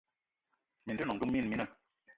Mini te nòṅ duma mina mina